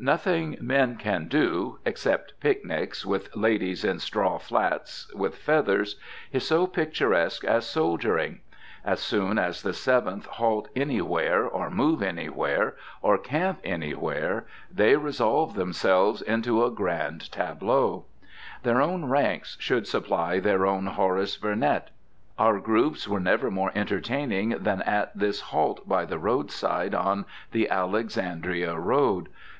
Nothing men can do except picnics, with ladies in straw flats with feathers is so picturesque as soldiering. As soon as the Seventh halt anywhere, or move anywhere, or camp anywhere, they resolve themselves into a grand tableau. Their own ranks should supply their own Horace Vernet. Our groups were never more entertaining than at this halt by the roadside on the Alexandria road.